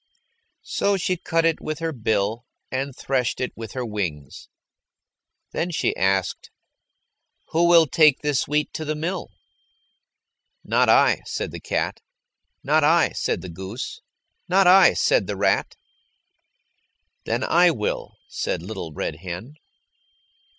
So she cut it with her bill and threshed it with her wings. Then she asked, "Who will take this wheat to the mill?" "Not I," said the cat. "Not I," said the goose. "Not I," said the rat. "Then I will," said Little Red Hen.